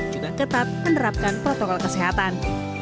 juga ketat menerapkan protokol kesehatan